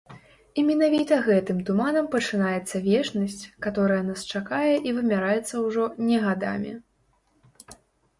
І менавіта гэтым туманам пачынаецца вечнасць, каторая нас чакае і вымяраецца ўжо не гадамі.